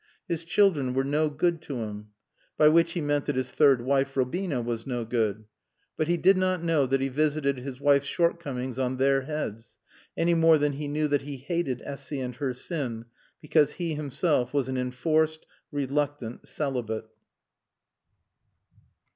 His children were no good to him. By which he meant that his third wife, Robina, was no good. But he did not know that he visited his wife's shortcomings on their heads, any more than he knew that he hated Essy and her sin because he himself was an enforced, reluctant celibate.